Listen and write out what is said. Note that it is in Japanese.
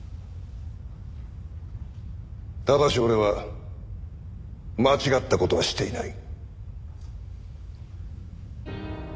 ただし俺は間違った事はしていない。